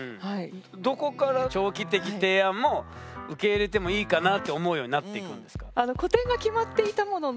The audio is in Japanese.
どこから長期的提案も受け入れてもいいかなって思うようになっていくんですか？